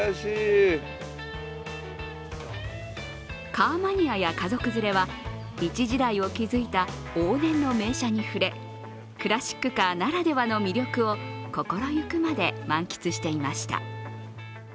カーマニアや家族連れは一時代を築いた往年の名車に触れクラシックカーならではの魅力を心ゆくまで満喫していました。